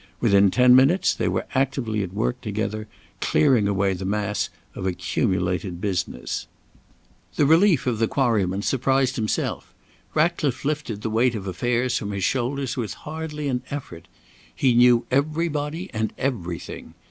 Within ten minutes they were actively at work together, clearing away the mass of accumulated business. The relief of the Quarryman surprised himself. Ratcliffe lifted the weight of affairs from his shoulders with hardly an effort. He knew everybody and everything.